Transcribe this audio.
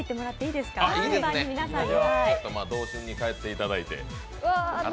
いいですね、童心に帰っていただいて。